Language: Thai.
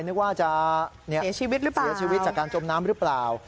นึกว่าจะเสียชีวิตจากการจมน้ำหรือเปล่า